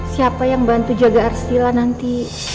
siapa yang bantu jaga arstilla nanti